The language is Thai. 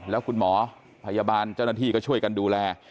แล้วคุณหมอพยาบาลเจ้าหน้าที่ก็ช่วยกันดูแล